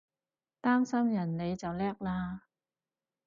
擔心人你就叻喇！